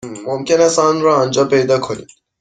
ممکن است آن را آنجا پیدا کنید.